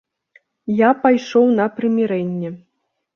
Я пайшоў на прымірэнне.